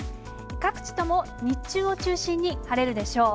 各地とも日中を中心に晴れるでしょう。